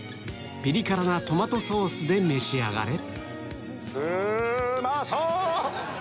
ピリ辛なトマトソースで召し上がれうまそう！